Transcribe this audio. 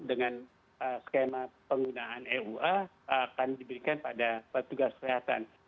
dengan skema penggunaan eua akan diberikan pada petugas kesehatan